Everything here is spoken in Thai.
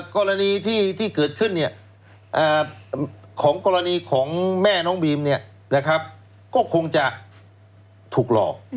กรณีที่เกิดขึ้นเนี่ยของกรณีของแม่น้องบีมเนี่ยนะครับก็คงจะถูกหลอก